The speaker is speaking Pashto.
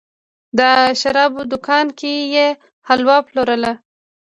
د شرابو دوکان کې یې حلوا پلورله.